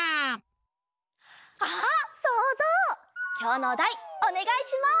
あっそうぞうきょうのおだいおねがいします。